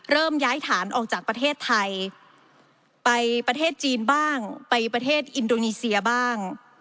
เริ่มย้ายฐานออกจากประเทศไทยไปประเทศจีนบ้างไปประเทศอินโดนีเซียบ้าง